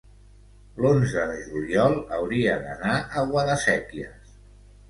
L'onze de juliol hauria d'anar a Guadasséquies.